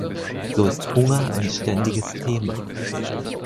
So ist Hunger ein ständiges Thema.